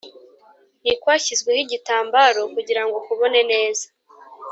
ntikwashyizweho igitambaro kugira ngo kubone neza